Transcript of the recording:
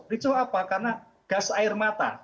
ricoh apa karena gas air mata